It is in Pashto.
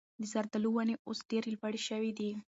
د زردالو ونې اوس ډېرې لوړې شوي دي.